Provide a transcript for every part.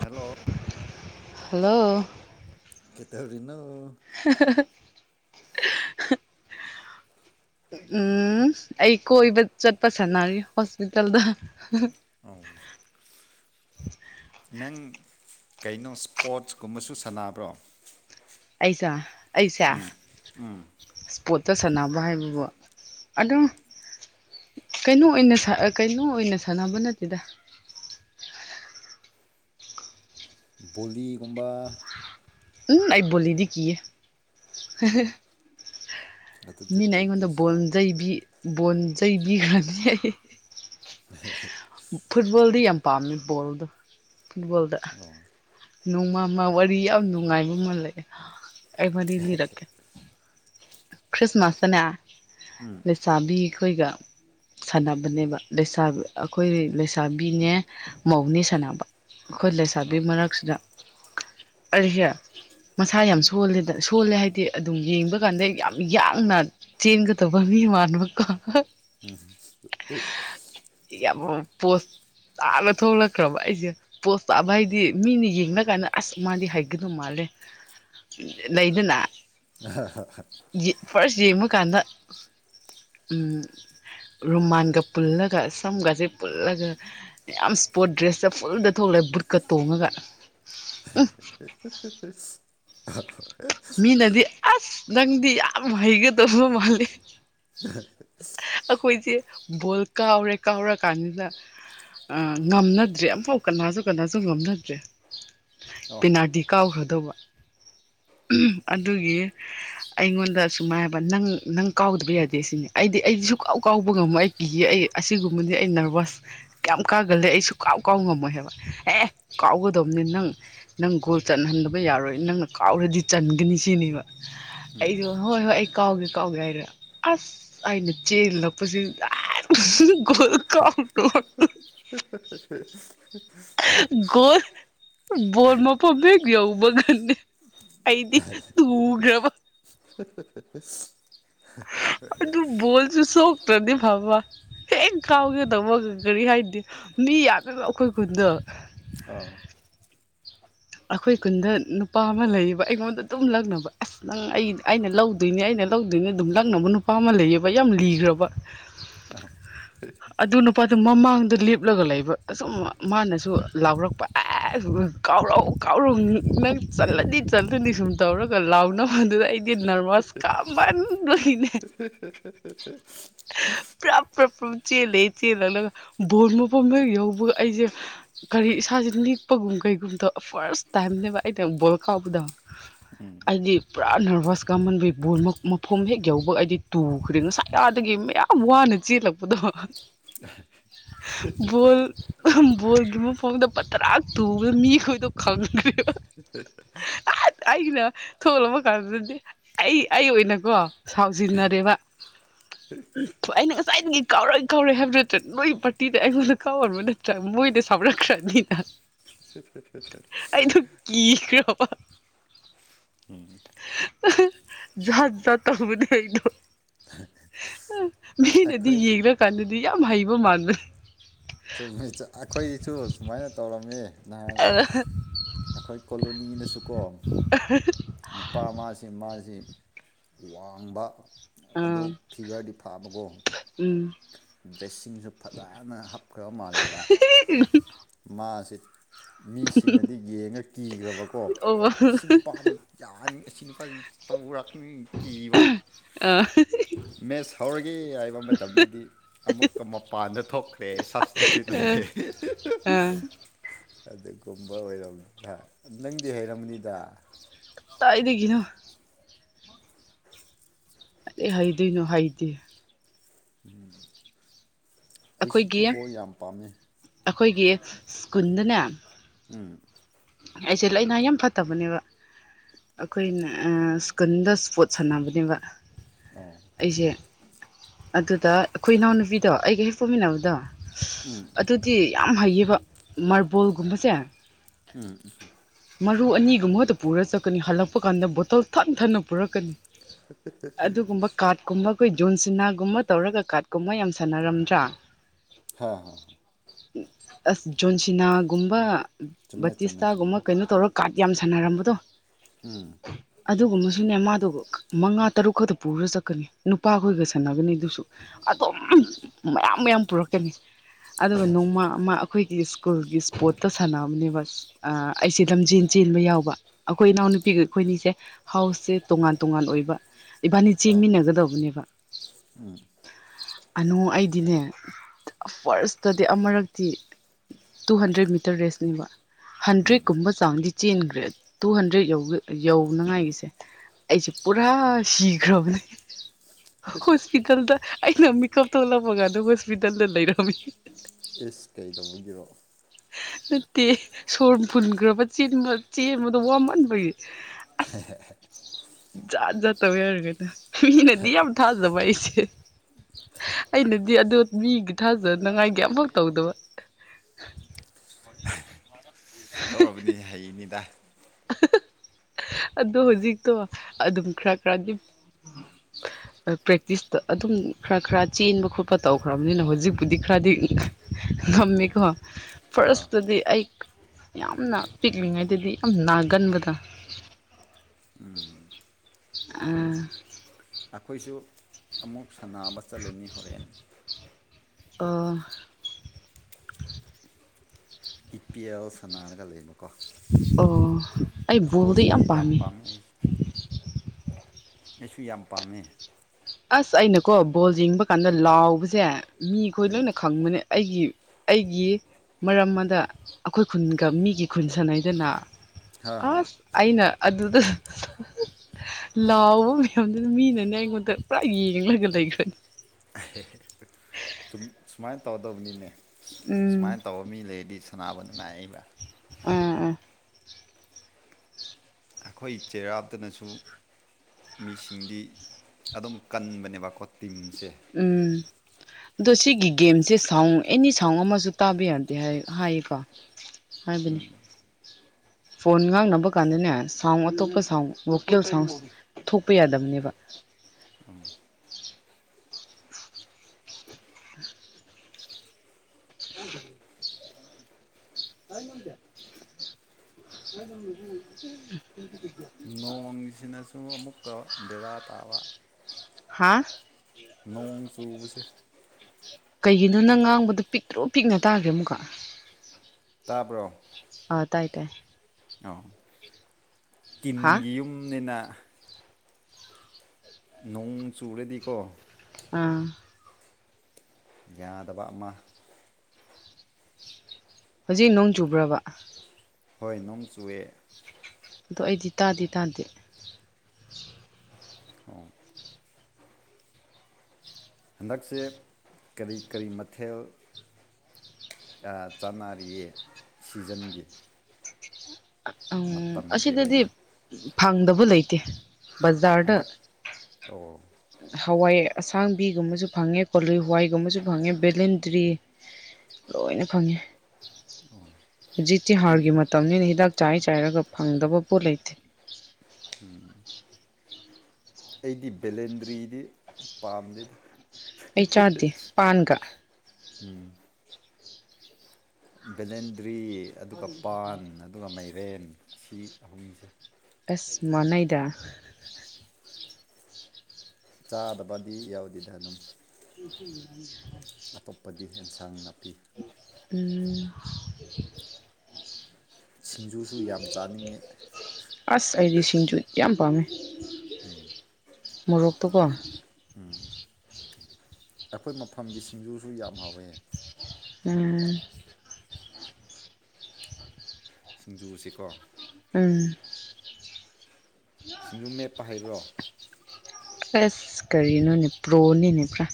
hello hello ꯀꯇꯊꯧꯔꯤ [inaudible] [unintelligible] [inaudible] [unintelligible] ꯎꯝ ꯑꯩ ꯀꯣꯏꯕ ꯆꯠꯄ ꯁꯥꯟꯅꯔꯤꯦ ꯍꯣꯁꯄꯤꯇꯥꯜꯗ ꯑ ꯅꯪ ꯀꯩꯅꯣ ꯏꯁꯄꯣꯔꯠꯁ ꯀꯨꯝꯕꯁꯨ ꯁꯥꯟꯅꯕ꯭ꯔꯣ ꯑꯩꯁ ꯑꯩꯁꯦ ꯄꯣꯠꯇ ꯁꯥꯟꯅꯕ ꯍꯥꯏꯕꯕꯨꯣ ꯑꯗꯣ ꯀꯩꯅꯣ ꯑꯣꯏꯅ ꯀꯩꯅꯣ ꯑꯣꯏꯅ ꯁꯥꯟꯅꯕ ꯅꯠꯇꯦꯗ ꯕꯣꯂꯤꯒꯨꯝꯕ ꯎꯝ ꯑꯩꯕꯣꯜꯂꯤꯗꯤ ꯀ ꯑꯦ ꯑꯗꯨꯗꯤ ꯃꯤꯅ ꯑꯩꯉꯣꯟꯗ ꯀꯩꯀꯩ ꯁꯥꯟꯅ ꯕꯣꯟꯖꯩꯕꯤ ꯣꯟꯖꯩ ꯕꯤꯒ꯭ꯔꯅꯤ ꯍꯥꯏ ꯍ ꯐꯨꯠꯕꯣꯜꯗꯤ ꯌꯥꯝ ꯄꯥꯝꯃꯦ ꯕꯣꯜꯗ ꯐꯨꯠꯕꯣꯜꯗ ꯑꯣ ꯅꯣꯡꯃꯃ ꯋꯥꯔꯤ ꯌꯥꯝ ꯅꯨꯡꯉꯥꯏꯕ ꯑꯃ ꯂꯩꯑꯦ ꯑꯩ ꯃꯔꯤ ꯂꯤꯔꯛꯀꯦ ꯈ꯭ꯔꯤꯁꯃꯥꯁꯇꯅꯦ ꯂꯩꯁꯥꯕꯤ ꯑꯩꯈꯣꯏꯒ ꯁꯥꯟꯅꯕꯅꯦꯕ ꯂꯩꯁꯕꯤ ꯑꯩꯈꯣꯏ ꯂꯩꯁꯥꯕꯤꯅꯦ ꯃꯧꯅꯤ ꯁꯥꯟꯅꯕ ꯍꯣꯏꯂꯦꯁꯥꯕꯤ ꯑꯣ ꯃꯔꯅꯥꯛ ꯑꯔꯤꯍꯦ ꯃꯁꯥ ꯌꯥꯝ ꯁꯣꯜꯂꯤꯦꯗ ꯊꯣꯜꯂꯦ ꯍꯥꯏꯗꯤ ꯑꯗꯨꯝ ꯌꯦꯡꯕ ꯀꯥꯟꯗ ꯌꯥꯝ ꯌꯥꯡꯅ ꯆꯦꯟꯒꯗꯕ ꯃꯤ ꯃꯅꯕꯀꯣ ꯎꯝ ꯌꯥꯝ ꯄꯣꯁ ꯇꯥꯅ ꯊꯣꯛꯂꯛꯈ꯭ꯔꯕ ꯑꯩꯁꯦ ꯄꯣꯠ ꯇꯥꯕ ꯍꯥꯏꯗꯤ ꯃꯤꯅ ꯌꯦꯡꯅꯕ ꯀꯥꯟꯗ ꯑꯁ ꯃꯥꯗꯤ ꯍꯥꯏꯒꯗꯧ ꯃꯥꯜꯂꯦ ꯂꯩꯗꯅ ꯍꯥ ꯍꯥ ꯌꯦꯡꯉꯨ ꯀꯥꯟꯗ ꯎꯝ ꯔꯨꯃꯥꯟꯒ ꯄꯨꯜꯂꯒ ꯁꯝꯒꯁꯦ ꯄꯨꯜꯂꯒ ꯌꯥꯝ ꯏꯁꯄꯣꯔꯠ ꯗ꯭ꯔꯦꯁꯇ ꯐꯨꯜꯗ ꯊꯣꯛꯂꯛꯑꯦ ꯕꯨꯔꯀ ꯇꯣꯡꯉꯒ [inaudible] [unintelligible] ꯃꯤꯅꯗꯤ ꯑꯁ ꯅꯪꯗꯤ ꯌꯥꯝ ꯍꯩꯒꯗꯧꯕ ꯃꯥꯂꯦ ꯍ ꯑꯩꯈꯣꯏꯁꯦ ꯕꯣꯜ ꯀꯥꯎꯔꯦ ꯀꯥꯎꯔꯀꯥꯟꯅꯤꯗ ꯉꯝꯅꯗ꯭ꯔꯦ ꯑꯃꯝꯐꯥꯎ ꯀꯅꯥꯁꯨ ꯀꯅꯥꯁꯨ ꯉꯝꯅꯗ꯭ꯔꯦ ꯑꯣ ꯄꯤꯅꯥꯗꯤ ꯀꯥꯎꯈ꯭ꯔꯗꯧꯕ [inaudible] [unintelligible] ꯑꯗꯨꯒꯤ ꯑꯩꯉꯣꯟꯗ ꯁꯨꯃꯥꯏ ꯍꯥꯏꯕ ꯅꯪ ꯅꯪ ꯀꯥꯎꯗꯕ ꯌꯥꯗꯦ ꯁꯤꯅꯦ ꯑꯩꯗꯤ ꯑꯩꯗꯤ ꯁꯨꯀꯥꯎ ꯀꯥꯎꯕ ꯉꯝꯝꯕ ꯑꯩ ꯄꯤꯈꯤ ꯑꯩ ꯑꯁꯤꯒꯨꯝꯕꯗꯤ ꯑꯩ ꯅꯔꯚꯁ ꯀꯌꯥꯝ ꯀꯥꯒꯜꯂꯦ ꯑꯩꯁꯨ ꯀꯥꯎ ꯀꯥꯎ ꯉꯝꯃꯣꯏ ꯍꯥꯏꯕ ꯑꯦ ꯀꯥꯎꯒꯗꯕꯅꯤ ꯅꯪ ꯅꯪ ꯒꯣꯜ ꯆꯟꯍꯟꯗꯕ ꯌꯥꯔꯣꯏ ꯅꯪꯅ ꯑꯣꯔꯗꯤ ꯆꯟꯒꯅꯤ ꯁꯤꯅꯦꯕ ꯑꯩꯗꯣ ꯍꯣꯏ ꯍꯣꯏ ꯑꯩ ꯀꯥꯎꯒꯦ ꯀꯥꯎꯒꯦ ꯍꯥꯏꯗ ꯑꯁ ꯑꯩꯅ ꯆꯦꯜꯂꯛꯄꯁꯤ ꯀ [inaudible] [unintelligible] ꯒꯣꯜ ꯕꯣꯜ ꯃꯥꯐꯝ ꯍꯦꯛ ꯌꯧꯕꯒꯅꯦ ꯑꯩꯗꯤ ꯇꯒ꯭ꯔꯕ ꯐ ꯑ ꯑꯗꯨꯨ ꯕꯣꯜꯁꯨ ꯁꯣꯛꯇ꯭ꯔꯗꯤ ꯐꯕ ꯍꯦꯛ ꯀꯥꯎꯒꯗꯧꯕ ꯀꯔꯤ ꯍꯥꯏꯗꯤ ꯃꯤ ꯌꯥꯝꯗꯅ ꯑꯩꯈꯣꯏ ꯈꯨꯟꯗ ꯑꯥ ꯑꯩꯈꯣꯏ ꯈꯨꯟꯗ ꯅꯨꯄꯥ ꯑꯃ ꯂꯩꯌꯦꯕ ꯑꯩꯉꯣꯟꯗ ꯑꯗꯨꯝ ꯂꯛꯅꯕ ꯑꯁ ꯅꯪ ꯑꯩ ꯑꯩꯅ ꯂꯧꯗꯣꯏꯅꯦ ꯑꯩꯅ ꯂꯧꯗꯣꯏꯅꯦ ꯑꯗꯨꯝ ꯂꯛꯅꯕ ꯅꯨꯄꯥ ꯑꯃ ꯂꯩꯌꯦꯕ ꯌꯥꯝ ꯂꯤꯈ꯭ꯔꯕ ꯑꯣ ꯑꯗꯨ ꯅꯨꯄꯥꯗꯨ ꯃꯃꯥꯡ ꯁ ꯗ ꯂ ꯂꯤꯞꯂꯒ ꯂꯩꯕ ꯑꯁꯨꯝ ꯃꯥꯅꯁꯨ ꯂꯥꯎꯔꯛꯄ ꯑꯦ ꯀꯥꯎꯔꯧ ꯀꯥꯎꯔꯣꯡ ꯃ ꯆꯜꯂꯗꯤ ꯆꯠꯂꯗꯤ ꯁꯨꯝ ꯇꯧꯔꯒ ꯂꯥꯎꯅ ꯑꯗꯨꯗ ꯑꯩꯗꯤ ꯅꯔꯚꯁ ꯀꯝꯅꯦ ꯄꯨ꯭ꯔꯞ ꯄꯨ꯭ꯔꯆ ꯂꯩ ꯆꯦꯜꯂꯛꯂꯒ ꯕꯣꯜ ꯃꯐꯝꯗ ꯌꯧꯕꯒ ꯑꯩꯁꯦ ꯀꯔꯤ ꯏꯁꯥꯁꯦ ꯅꯤꯦꯛꯄꯒꯨꯝ ꯀꯩꯒꯨꯝꯕꯗ ꯐꯥꯔꯁ ꯇꯥꯏꯝꯅꯦꯕ ꯑꯩꯅ ꯕꯣꯜ ꯀꯥꯎꯕꯗ ꯍꯥꯏꯗꯤ ꯄꯨꯔꯥ ꯅꯔꯚꯁ ꯀꯥꯃꯟꯕ ꯕꯣꯜ ꯃꯐꯝ ꯍꯦꯛ ꯌꯧꯕ ꯑꯩꯗꯤ ꯇꯨꯈ꯭ꯔꯦ ꯉꯁꯥꯏ ꯑꯗꯒꯤ ꯃꯌꯥꯝ ꯋꯥꯅ ꯆ ꯂꯥꯛꯄꯗ ꯜ ꯌꯕ ꯐꯣꯡꯗ ꯄꯇꯔꯥꯛ ꯇꯨꯕꯒ ꯃꯤꯈꯣꯏꯗꯣ ꯈꯪꯅ ꯑꯩꯅ ꯊꯣꯛꯣꯂꯛꯕ ꯀꯥꯟꯗꯨꯗꯗꯤ ꯑꯩ ꯑꯩ ꯑꯣꯏꯅꯀꯣ ꯁꯥꯎꯖꯤꯟꯅꯔꯦꯕ ꯑꯩꯅ ꯉꯁꯥꯏ ꯀꯥꯎꯔꯣꯏ ꯀꯥꯎꯔꯣꯏ ꯍꯥꯏꯕ ꯅꯠꯇ꯭ꯔ ꯅꯣꯏꯒꯤ ꯄꯥꯔꯇꯤꯗ ꯑꯩꯉꯣꯟꯗ ꯀꯥꯎꯔꯕ ꯅꯠꯇ꯭ꯔ ꯃꯣꯏꯗ ꯁꯥꯎꯔꯛꯈ꯭ꯔꯅꯤꯅ ꯑ ꯑꯩꯩꯅ ꯀ ꯀ꯭ꯔꯕ ꯎꯝ ꯌꯥꯍꯖꯥ ꯇꯧꯗꯤꯩꯅꯣ ꯃꯤꯅꯗꯤ ꯑꯩꯈꯣꯏ ꯌꯦꯡꯈ꯭ꯔꯀꯥꯟꯗꯗꯤ ꯌꯥꯝ ꯍꯩꯕ ꯃꯥꯟꯕꯅꯤ ꯆꯨꯝꯃꯤ ꯅꯥꯏ ꯑꯥ ꯑꯈꯣꯏ ꯀꯣ ꯆꯀꯣꯟ ꯅꯨꯄꯥ ꯃꯥꯁꯤ ꯃꯥꯁꯤ ꯋꯥꯡꯕ ꯑꯗꯣ ꯐꯤꯒꯔꯗꯤ ꯐꯥꯕꯀꯣ ꯎꯝ ꯗ꯭ꯔꯦꯁꯁꯤꯡꯁꯨ ꯐꯖꯅ ꯍꯥꯞꯈ꯭ꯔꯕ ꯃꯥꯜꯂꯦꯕ ꯃꯥꯁꯤ ꯃꯤꯁꯤꯡꯅꯗꯤ ꯌꯦꯡꯉ ꯀꯤꯈ꯭ꯔꯕꯀꯣ ꯑꯣ ꯑꯥ ꯏꯁꯤꯡ ꯄꯥꯗ ꯑꯁꯤ ꯅꯨꯄꯥꯁꯤ ꯇꯔꯛꯅꯤ ꯀꯤꯕ ꯃꯦꯠꯁ ꯍꯧꯔꯒꯦ ꯍꯥꯏꯕ ꯃꯇꯝꯗꯗꯤ ꯑꯃꯨꯛꯀ ꯃꯄꯥꯟꯗ ꯊꯣꯛꯈ꯭ꯔꯦ ꯁꯞꯁꯇꯤꯇ꯭ꯌꯨꯠ ꯂꯩꯔꯦ ꯍ ꯑ ꯑꯗꯨꯒꯨꯝꯕ ꯑꯣꯏꯔꯝ ꯅꯪꯗꯤ ꯍꯩꯔꯝꯅꯤꯗ ꯇꯥꯏꯗꯦꯒꯅꯣ ꯑꯩ ꯍꯩꯗꯣꯏꯅꯣ ꯍꯩꯗꯤꯦ ꯎꯝ ꯑꯩꯁꯨ ꯑꯩꯈꯣꯏꯒꯤ ꯐꯨꯠꯕꯣꯜ ꯌꯥꯝ ꯄꯥꯝꯃꯦ ꯑꯩꯈꯣꯏꯒꯤ ꯁ꯭ꯀꯨꯜꯗꯅꯦ ꯎꯝ ꯑꯩꯁꯦ ꯂꯥꯏꯅꯥ ꯌꯥꯝ ꯐꯠꯇꯕꯅꯦꯕ ꯑꯩꯈꯣꯏꯅ ꯁ꯭ꯀꯨꯟꯗ ꯏꯁꯄꯣꯔꯠ ꯁꯥꯟꯅꯕꯅꯦꯕ ꯑꯥ ꯑꯩꯁꯦ ꯑꯗꯨꯗ ꯑꯩꯈꯣꯏ ꯏꯅꯥꯎꯅꯨꯄꯤꯗꯣ ꯑꯩꯒ ꯍꯦꯛ ꯐꯣꯛꯃꯤꯟꯅꯕꯗꯣ ꯑꯗꯨꯗꯤ ꯌꯥꯝ ꯍꯩꯌꯦꯕ ꯃꯥꯔꯕꯣꯜꯒꯨꯝꯕꯁꯦ ꯎꯝ ꯎꯝ ꯃꯔꯨ ꯑꯅꯤꯒꯨꯝꯕꯗ ꯄꯨꯔ ꯆꯠꯀꯅꯤ ꯍꯜꯂꯛꯄ ꯀꯥꯟꯗ ꯕꯣꯇꯜ ꯊꯟ ꯊꯟꯅ ꯄꯨꯔꯛꯀꯅꯤ ꯑꯗꯨꯒꯨꯝꯕ ꯀꯥꯔꯠꯀꯨꯝꯕ ꯑꯩꯈꯣꯏ ꯖꯨꯣꯟ ꯁꯤꯅꯥꯒꯨꯝꯕ ꯇꯧꯔꯒ ꯀꯥꯔꯠꯀꯨꯝꯕ ꯌꯥꯝ ꯁꯥꯟꯅꯔꯝꯗ꯭ꯔꯥ ꯍꯥ ꯍ ꯑꯁ ꯖꯣꯟꯁꯤꯅꯥꯒꯨꯝꯕ ꯆꯨꯝꯃꯦꯠ ꯇꯤꯁꯇꯥꯒꯨꯝꯕ ꯀꯩꯅꯣ ꯇꯧꯔꯒ ꯀꯥꯔꯠ ꯌꯥꯝ ꯁꯥꯟꯅꯔꯝꯕꯗꯣ ꯑꯗꯨꯒꯨꯝꯕꯁꯨꯅꯦ ꯃꯥꯗꯣ ꯃꯉꯥ ꯇꯔꯨꯛ ꯈꯛꯇ ꯄꯨꯔ ꯆꯠꯀꯅꯤ ꯅꯨꯄꯥꯈꯣꯏꯒ ꯁꯥꯟꯅꯒꯅꯤ ꯑꯗꯨꯁꯨ ꯑꯗꯨꯝ ꯃꯌꯥꯝ ꯃꯌꯥꯝ ꯄꯨꯔꯛꯀꯅꯤ ꯑꯗꯨꯒ ꯅꯣꯡꯃ ꯑꯃ ꯑꯩꯈꯣꯏꯒꯤ ꯁ꯭ꯀꯨꯜꯒꯤ ꯏꯁꯄꯣꯔꯠꯇ ꯁꯥꯟꯅꯕꯅꯦ ꯕꯁ ꯑꯩꯁꯦ ꯂꯝꯖꯦꯟ ꯆꯦꯟꯕ ꯌꯥꯎꯕ ꯑꯩꯈꯣꯏ ꯏꯅꯥꯎꯅꯨꯄꯤꯒ ꯑꯩꯈꯣꯏꯅꯤꯁꯦ ꯍꯥꯎꯁꯁꯦ ꯇꯣꯉꯥꯟ ꯇꯣꯉꯥꯟ ꯑꯣꯏ ꯏꯕꯥꯅꯤ ꯑꯥ ꯆꯦꯟꯃꯤꯟꯅꯒꯗꯧꯕꯅꯦꯕ ꯑꯅ ꯑꯩꯗꯤꯅꯦ ꯐꯥꯔꯁꯇꯗꯤ ꯑꯃꯨꯔꯛꯇꯤ ꯇꯨ ꯍꯟꯗ꯭ꯔꯦꯗ ꯃꯤꯇꯔ ꯔꯦꯁꯅꯦꯕ ꯍꯟꯗ꯭ꯔꯦꯠꯀꯨꯝꯕ ꯆꯥꯡꯗꯤ ꯆꯦꯟꯈ꯭ꯔꯦ ꯇꯨ ꯍꯟꯗ꯭ꯔꯦꯗ ꯌꯧꯅꯉꯥꯏꯒꯤꯁꯦ ꯑꯩꯁꯦ ꯄꯨꯔꯥ ꯁꯤꯈ꯭ꯔꯕꯅꯦ ꯍꯣꯁꯄꯤꯇꯥꯜꯗ ꯑꯩꯅ ꯃꯤꯀꯞ ꯇꯧꯂꯝꯃꯒꯥꯟꯗ ꯍꯣꯁꯄꯤꯇꯥꯜꯗ ꯂꯩꯔꯝꯃꯤ ꯑꯦꯁ ꯀꯩ ꯇꯧꯕꯒꯤꯔꯣ ꯅꯠꯇꯦ ꯁꯣꯔ ꯐꯨꯟꯈ꯭ꯔꯕꯕ ꯆꯦꯟꯕꯗꯣ ꯋꯥꯃꯟꯕꯒꯤ [unintelligible] ꯖꯥꯠ ꯖꯠꯠꯇꯧ ꯌꯥꯔꯒꯦꯗ ꯃꯤꯅꯗꯤ ꯌꯥꯝ ꯊꯥꯖꯕ ꯑꯩꯁꯦ ꯎꯝ [unintelligible] ꯑꯩꯅꯗꯤ ꯑꯣ ꯃꯤꯒꯤ ꯊꯥꯖꯅꯉꯥꯏ ꯀꯌꯥꯐꯛ ꯇꯧꯗꯕ ꯇꯧꯔꯕꯅꯤ ꯍꯩꯅꯤꯗ ꯑꯗꯣ ꯍꯧꯖꯤꯛꯇꯣ ꯑꯗꯨꯝ ꯈꯔ ꯈꯔꯗꯤ ꯌꯥ [unintelligible] ꯄ꯭ꯔꯦꯛꯇꯤꯁꯇ ꯑꯗꯨꯝ ꯈꯔ ꯈꯔ ꯆꯦꯟꯕ ꯈꯣꯠꯄ ꯇꯧꯈ꯭ꯔꯕꯅꯤꯅ ꯍꯧꯖꯤꯛꯄꯨꯗꯤ ꯈꯔꯗꯤ ꯉꯝꯃꯦꯀꯣ ꯍꯥ ꯍꯥ ꯐꯥꯔꯁꯇꯨꯗꯤ ꯑꯩ ꯌꯥꯝꯅ ꯄꯤꯛꯂꯤꯉꯩꯗꯗꯤ ꯑ ꯅꯥꯒꯟꯕꯗꯥ ꯑꯩꯈꯣꯏꯁꯨ ꯑꯃꯨꯛ ꯁꯥꯟꯅꯕ ꯆꯠꯂꯅꯤ ꯍꯣꯔꯦꯟ ꯑ ꯏ ꯄꯤ ꯑꯦꯜ ꯁꯅꯥꯔꯒ ꯂꯩꯕꯀꯣ ꯑꯣ ꯑꯩ ꯜꯗ ꯐꯨꯠꯕꯣꯜꯁꯤꯗꯤ ꯌꯥꯝ ꯌꯥꯝꯄꯥꯥꯝꯃꯦ ꯄꯥꯝꯃꯦ ꯑꯩ ꯑꯩꯁꯨ ꯌꯥꯝ ꯄꯥꯝꯃꯦ ꯑꯁ ꯑꯩꯅꯀꯣ ꯕꯣꯜ ꯌꯦꯡꯕ ꯀꯥꯟꯗ ꯂꯥꯎꯕꯁꯦ ꯃꯤꯈꯣꯏ ꯂꯣꯏꯅ ꯈꯪꯕꯅꯦ ꯑꯩꯒꯤ ꯑꯩꯒꯤ ꯃꯔꯝ ꯑꯃꯗ ꯑꯩꯈꯣꯏ ꯈꯨꯟꯒ ꯃꯤꯒꯤ ꯈꯨꯟꯁꯅꯩꯗꯅ ꯍꯥ ꯑ ꯍꯥ ꯑꯏꯩꯅ ꯑꯗꯨ ꯂꯥꯎꯕ ꯃꯌꯥꯝꯗꯨꯅ ꯃꯤꯅꯅꯦ ꯑꯩꯉꯣꯟꯗ ꯄ꯭ꯔꯥ ꯌꯦꯡ ꯂꯩꯒ ꯂꯩꯈ꯭ꯔꯦ ꯁꯨꯃꯥꯏꯅ ꯇꯧꯗꯕꯅꯤꯅꯦ ꯎꯝ ꯁꯨꯃꯥꯏꯅ ꯇꯧꯕ ꯃꯤ ꯂꯩꯔꯗꯤ ꯁꯅꯥꯅꯕꯗꯅ ꯑꯩꯕ ꯑꯥ ꯑꯥ ꯑꯩꯈꯣꯏ ꯆꯩꯔꯥꯛꯇꯅꯁꯨ ꯃꯤꯁꯤꯡꯗꯤ ꯑꯗꯨꯝ ꯀꯟꯕꯅꯦꯕꯀꯣ ꯇꯤꯟꯁꯦ ꯎꯝ ꯑꯗꯣ ꯁꯤꯒꯤ ꯒꯦꯝꯁꯦ ꯁꯥꯎꯟ ꯑꯦꯅꯤ ꯁꯥꯎꯟ ꯑꯃꯁꯨ ꯇꯥꯕ ꯌꯥꯗꯦ ꯍꯥꯏꯌꯦꯀꯣ ꯍꯥꯏꯕꯅꯦ ꯐꯣꯟ ꯉꯥꯡꯅꯕ ꯀꯥꯟꯗꯅꯦ ꯁꯥꯎꯟ ꯑꯇꯣꯞꯄ ꯁꯥꯎꯟ ꯚꯣꯀꯦꯜ ꯁꯥꯎꯟ ꯊꯣꯛꯄ ꯌꯥꯗꯕꯅꯦꯕ ꯎ ꯎ ꯑ ꯌꯇ [unintelligible] ꯁꯤꯅꯁꯨ ꯑꯃꯨꯛꯀ ꯕꯦꯔꯥ ꯇꯥꯕ ꯍꯥꯥ ꯅꯣꯡ ꯆꯨꯕꯁꯦ ꯀꯩꯒꯤꯅꯣ ꯅꯪ ꯉꯥꯡꯕꯗꯣ ꯄꯤꯛꯇ꯭ꯔꯣ ꯄꯤꯛꯅ ꯇꯥꯒ꯭ꯔꯦ ꯑꯃꯨꯛꯀ ꯇꯥꯕ꯭ꯔꯣ ꯑ ꯇꯥꯏ ꯇꯥꯏ ꯑ ꯍꯥ ꯇꯤꯟꯒꯤ ꯌꯨꯝꯅꯤꯅ ꯅꯣꯡ ꯆꯨꯔꯗꯤꯀꯣ ꯑꯥ ꯌꯥꯗꯕ ꯃ ꯍꯧꯖꯤꯛ ꯅꯣꯡ ꯆꯨꯕ꯭ꯔꯕ ꯍꯣꯏ ꯅꯣꯡ ꯆꯨꯑꯦ ꯑꯗꯣ ꯑꯩꯗꯤ ꯇꯥꯗꯦ ꯇꯥꯗꯦ ꯑꯣ ꯍꯟꯗꯛꯁꯦ ꯀꯔꯤ ꯀꯔꯤ ꯃꯊꯦꯜ ꯆꯥꯅꯔꯤꯌꯦ ꯁꯤꯖꯟꯒꯤ ꯎꯝ ꯃꯇꯝꯒꯤ ꯑꯁꯤꯗꯗꯤ ꯑꯣꯏꯅ ꯐꯪꯗꯕ ꯂꯩꯇꯦ ꯕꯖꯥꯔꯗ ꯍꯟꯗꯛ ꯑꯣ ꯍꯋꯥꯏ ꯑꯁꯥꯡꯕꯤꯒꯨꯝꯕꯁꯨ ꯐꯪꯉꯦ ꯀꯣꯂꯨ ꯍꯋꯥꯏꯒꯨꯝꯕꯁꯨ ꯐꯪꯉꯦ ꯕꯦꯂꯦꯟꯗ꯭ꯔꯤ ꯂꯣꯏꯅ ꯈꯪꯉꯤ ꯍꯧꯖꯤꯛꯇꯤ ꯑꯩꯗꯤ ꯍꯥꯔꯒꯤ ꯃꯇꯝꯅꯤꯅ ꯍꯤꯗꯥꯛ ꯆꯥꯏ ꯆꯥꯏꯔꯒ ꯐꯪꯗꯕ ꯄꯣꯠ ꯂꯩꯇꯦ ꯎꯝ ꯑꯩꯗꯤ ꯕꯦꯂꯦꯟꯗ꯭ꯔꯤꯗꯤ ꯄꯥꯝꯗꯦ ꯑꯩ ꯆꯥꯗꯦ ꯄꯥꯟꯒ ꯎꯝ ꯚꯦꯂꯦꯟꯗ꯭ꯔꯤ ꯑꯗꯨꯒ ꯄꯥꯟ ꯑꯗꯨꯒ ꯃꯥꯏꯔꯦꯟ ꯑꯁꯤ ꯑꯍꯨꯝꯁꯦ ꯑꯦꯁ ꯃꯅꯩꯗ ꯆꯥꯗꯕꯗꯤ ꯌꯥꯎꯗꯦꯗ ꯑꯗꯨꯝ ꯎ ꯑꯇꯣꯞꯄꯗꯤ ꯑꯦꯟꯁꯥꯡ ꯅꯥ ꯎꯝ ꯁꯤꯡꯖꯨꯁꯨ ꯌꯥꯝ ꯆꯥꯅꯤꯡꯉꯦ ꯑꯁ ꯑꯩꯗꯤ ꯁꯤꯡꯖꯨ ꯌꯥꯝ ꯄꯥꯝꯃꯦ ꯃꯣꯔꯣꯛꯣꯛꯇꯀꯣ ꯑꯩꯈꯣꯏ ꯃꯐꯝꯒꯤ ꯁꯤꯡꯖꯨꯁꯨ ꯌꯥꯝ ꯍꯥꯎꯋꯦ ꯎꯝ ꯁꯤꯡꯖꯨꯁꯤꯀꯣ ꯎꯝ ꯁꯤꯡꯖꯨ ꯃꯦꯠꯄ ꯍꯥꯏꯩꯕ꯭ꯔꯣ ꯑꯁ ꯀꯔꯤꯅꯣꯅꯦ ꯄ꯭ꯔꯣꯅꯤꯅꯦ ꯄꯨꯔꯥ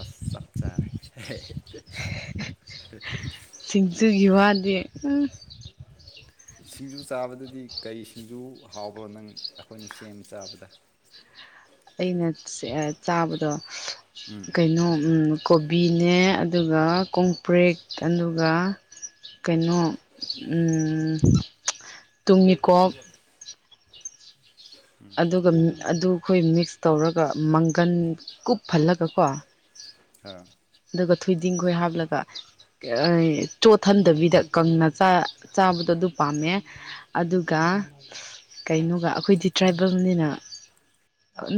ꯑꯁ ꯆꯞ ꯆꯔꯦ ꯁꯤꯁꯤꯡꯆꯣꯏ ꯍꯗ ꯁꯤꯡꯖꯨ ꯆꯥꯕꯗꯗꯤ ꯀꯩ ꯁꯤꯡꯖꯨ ꯍꯥꯎꯕ꯭ꯔꯣ ꯅꯪ ꯑꯩꯈꯣꯏꯅ ꯁꯦꯝ ꯆꯥꯕꯗ ꯑꯩꯅ ꯆꯥꯕꯗꯣ ꯀꯩꯅꯣ ꯀꯣꯕꯤꯅꯦ ꯑꯗꯨꯒ ꯀꯣꯡꯄ꯭ꯔꯦꯛ ꯑꯗꯨꯒ ꯀꯩꯅꯣ ꯇꯨꯡ ꯃꯤꯀꯣꯛ ꯑꯗꯨꯒ ꯑꯗꯨ ꯑꯩꯈꯣꯏ ꯃꯤꯛꯁ ꯇꯧꯔꯒ ꯃꯪꯒꯟ ꯀꯨꯞꯍꯜꯂꯒꯀꯣ ꯑꯥ ꯑꯗꯨꯒ ꯊꯣꯏꯗꯤꯡ ꯈꯣꯏ ꯍꯥꯞꯂꯒ ꯆꯣꯠꯊꯟꯗꯕꯤꯗ ꯀꯪꯅ ꯆꯥꯕꯗꯣ ꯑꯗꯨ ꯄꯥꯝꯃꯦ ꯑꯗꯨꯒ ꯀꯩꯅꯣꯒ ꯑꯩꯈꯣꯏꯗꯤ ꯇ꯭ꯔꯥꯏꯕꯦꯜꯅꯤꯅ ꯑ